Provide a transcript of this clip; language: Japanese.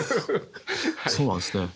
そうなんですね。